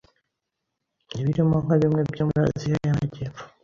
birimo nka bimwe byo muri Aziya y'amajyepfo